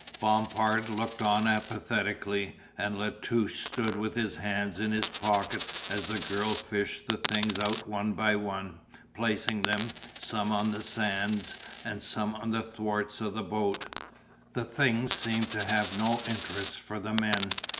Bompard looked on apathetically and La Touche stood with his hands in his pockets as the girl fished the things out one by one, placing them, some on the sands and some on the thwarts of the boat. The things seemed to have no interest for the men.